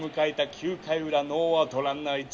９回裏ノーアウトランナー一塁。